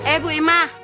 eh bu ima